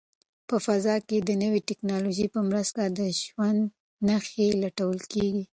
په فضا کې د نوې ټیکنالوژۍ په مرسته د ژوند نښې لټول کیږي.